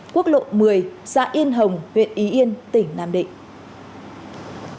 quốc lộ một mươi xã yên hồng huyện ý yên tỉnh nam định